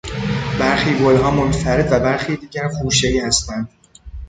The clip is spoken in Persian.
برخی گلها منفرد و برخی دیگر خوشهای هستند.